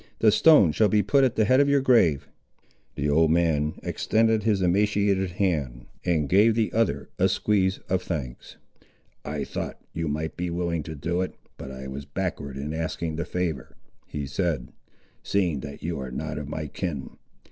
The stone shall be put at the head of your grave." The old man extended his emaciated hand, and gave the other a squeeze of thanks. "I thought, you might be willing to do it, but I was backward in asking the favour," he said, "seeing that you are not of my kin.